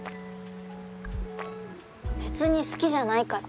別に好きじゃないから。